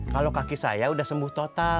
kalau kaki saya sudah sembuh total